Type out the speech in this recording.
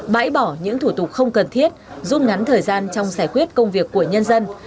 bãi bỏ những thủ tục không cần thiết giúp ngắn thời gian trong giải quyết công việc của nhân dân